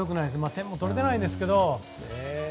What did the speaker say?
点も取れてないですけど。